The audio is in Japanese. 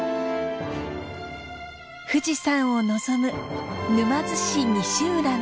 富士山を望む沼津市西浦の浜。